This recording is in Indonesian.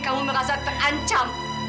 kamu merasa terancam